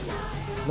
何？